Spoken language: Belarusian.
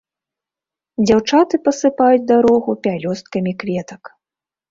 Дзяўчаты пасыпаюць дарогу пялёсткамі кветак.